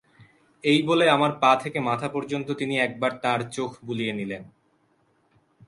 এই বলে আমার পা থেকে মাথা পর্যন্ত তিনি একবার তাঁর চোখ বুলিয়ে নিলেন।